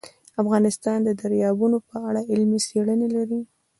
افغانستان د دریابونه په اړه علمي څېړنې لري.